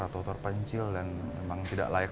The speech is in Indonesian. atau terpencil dan memang tidak layak